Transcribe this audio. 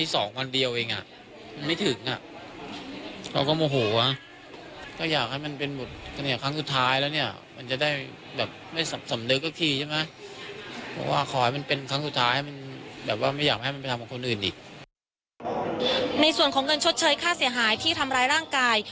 ในส่วนของเงินชดเชยค่าเสียหายที่ทำร้ายร่างกาย